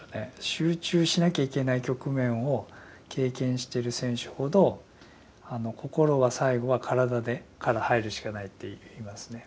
集中しなきゃいけない局面を経験してる選手ほど心は最後は体から入るしかないっていいますね。